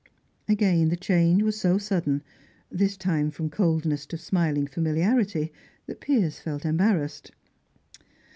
Again the change was so sudden, this time from coldness to smiling familiarity, that Piers felt embarrassed.